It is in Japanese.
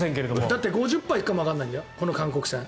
だって５０％行くかもわからないんだよ、韓国戦。